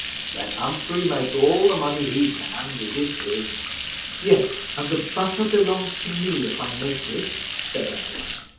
"Let Humphrey make all the money he can with his pigs." "Yes; and the butter belongs to me, if I make it," said Alice.